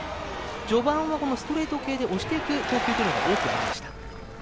序盤はストレート系で押していく投球というのが多くありました。